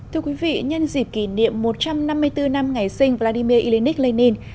thưa quý vị nhân dịp kỷ niệm một trăm năm mươi bốn năm ngày sinh vladimir il inik lenin